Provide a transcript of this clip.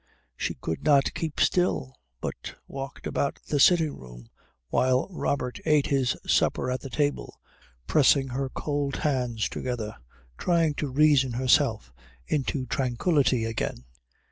She could not keep still, but walked about the sitting room while Robert ate his supper at the table, pressing her cold hands together, trying to reason herself into tranquillity again.